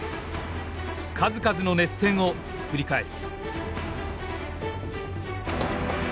数々の熱戦を振り返る。